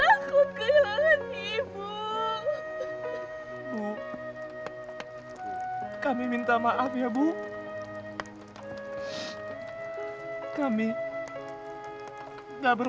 aku ingin menerima semuanya ayah